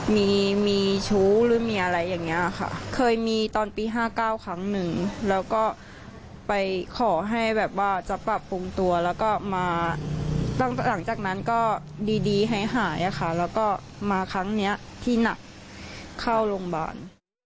พี่ให้หายอะค่ะแล้วก็มาครั้งเนี้ยที่หนักเข้าโรงบาล